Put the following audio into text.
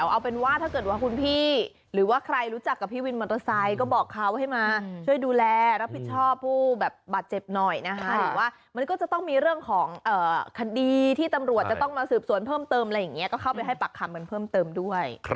เอาเป็นว่าถ้าเกิดว่าคุณพี่หรือว่าใครรู้จักกับพี่วินมอเตอร์ไซค์ก็บอกเขาให้มาช่วยดูแลรับผิดชอบผู้แบบบาดเจ็บหน่อยนะคะหรือว่ามันก็จะต้องมีเรื่องของคดีที่ตำรวจจะต้องมาสืบสวนเพิ่มเติมอะไรอย่างนี้ก็เข้าไปให้ปากคำกันเพิ่มเติมด้วย